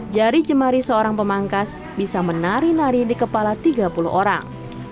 jari cemari seorang pemangkas bisa menari nari di kepala tiga puluh orang